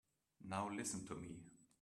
Now listen to me.